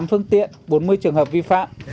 tám phương tiện bốn mươi trường hợp vi phạm